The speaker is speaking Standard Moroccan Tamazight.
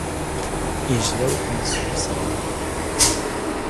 ⵉⵊⵍⴰ ⵓⴽⴰⵏ ⵙⵓⵍ ⵙⴰⵎⵉⵏ.